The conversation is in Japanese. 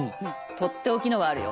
とっておきのがあるよ。